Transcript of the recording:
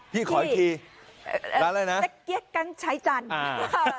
พี่ขออีกทีร้านอะไรนะเสกเกี๊ยกกังชัยจันทร์อ่า